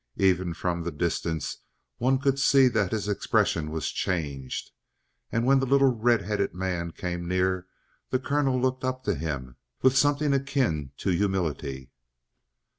Even from the distance one could see that his expression was changed, and when the little red headed man came near the colonel looked up to him with something akin to humility.